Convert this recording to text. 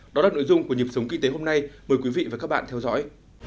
đó là nội dung của nhịp sống kinh tế hôm nay mời quý vị và các bạn theo dõi